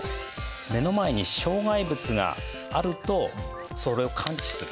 目の前に障害物があるとそれを感知する。